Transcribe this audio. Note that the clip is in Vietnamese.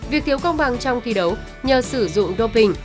việc thiếu công bằng trong thi đấu nhờ sử dụng đô binh